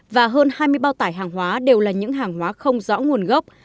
và hơn hai mươi bao tải hàng hóa đều là những hàng hóa không rõ nguồn gốc